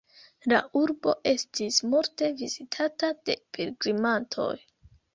La urbo estis multe vizitata de pilgrimantoj.